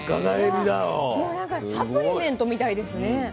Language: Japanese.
もうなんかサプリメントみたいですね。